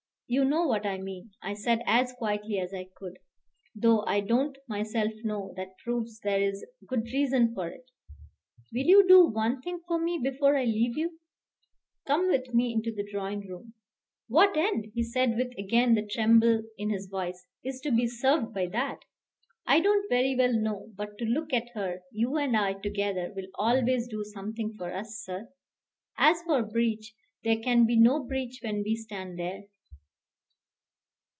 "You know what I mean," I said, as quietly as I could, "though I don't myself know; that proves there is good reason for it. Will you do one thing for me before I leave you? Come with me into the drawing room " "What end," he said, with again the tremble in his voice, "is to be served by that?" "I don't very well know; but to look at her, you and I together, will always do something for us, sir. As for breach, there can be no breach when we stand there."